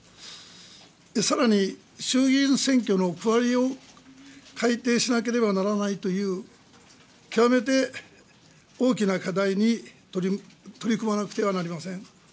さらに衆議院選挙の区割りを改定しなければならないという極めて大きな課題に取り組まなくてはなりません。